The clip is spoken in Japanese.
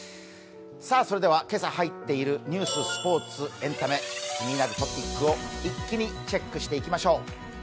それでは今朝入っているニュース、スポーツ、エンタメ、気になるトピックを一気にチェックしていきましょう。